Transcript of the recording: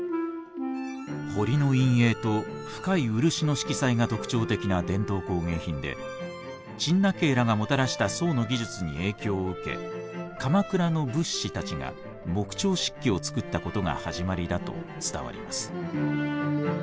彫りの陰影と深い漆の色彩が特徴的な伝統工芸品で陳和らがもたらした宋の技術に影響を受け鎌倉の仏師たちが木彫漆器を作ったことが始まりだと伝わります。